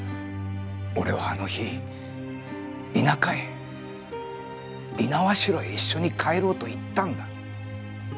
俺はあの日田舎へ猪苗代へ一緒に帰ろうと言ったんだ。